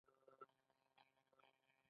یو تخم سل تخمه کړو.